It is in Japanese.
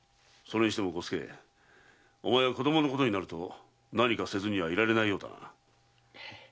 それにしても伍助お前は子供のことになると何かせずにはいられないようだな。